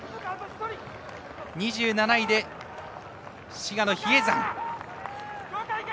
２７位で滋賀の比叡山。